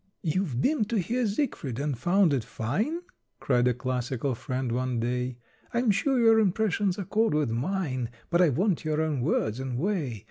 "You've been to hear 'Siegfried' and found it fine?" Cried a classical friend one day. "I'm sure your impressions accord with mine, But I want your own words and way.